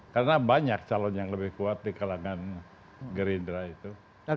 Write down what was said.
karena banyak calon yang lebih kuat di kalangan gerindra itu